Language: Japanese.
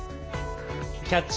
「キャッチ！